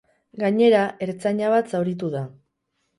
Gainera, ertzaina bat zauritu da.